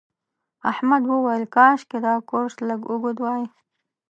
احمد وویل کاشکې دا کورس لږ اوږد وای.